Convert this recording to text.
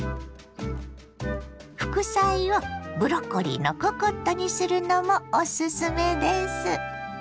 副菜をブロッコリーのココットにするのもおすすめです。